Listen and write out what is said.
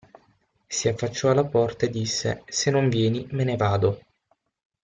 Si affacciò alla porta e disse: – Se non vieni me ne vado.